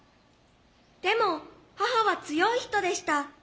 でも母は強い人でした。